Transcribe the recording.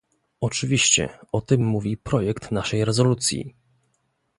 Oczywiście, o tym mówi projekt naszej rezolucji